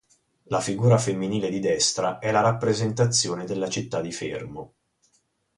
La figura femminile di destra è la rappresentazione della città di Fermo.